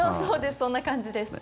そんな感じです。